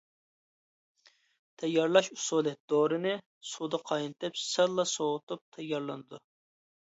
تەييارلاش ئۇسۇلى: دورىنى سۇدا قاينىتىپ، سەللا سوۋۇتۇپ تەييارلىنىدۇ.